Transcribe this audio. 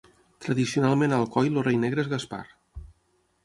Tradicionalment a Alcoi el rei negre és Gaspar.